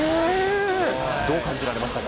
どう感じられましたか。